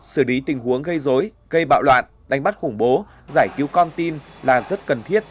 xử lý tình huống gây dối gây bạo loạn đánh bắt khủng bố giải cứu con tin là rất cần thiết